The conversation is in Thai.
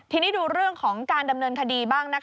ทีนี้ดูเรื่องของการดำเนินคดีบ้าง